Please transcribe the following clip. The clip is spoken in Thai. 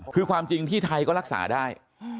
คือความจริงที่ไทยก็รักษาได้